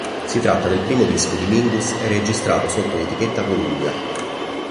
Si tratta del primo disco di Mingus registrato sotto l'etichetta Columbia.